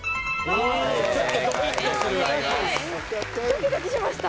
ドキドキしました。